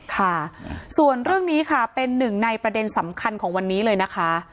ค่ะส่วนเรื่องนี้ค่ะเป็นหนึ่งในประเด็นสำคัญของวันนี้เลยนะคะ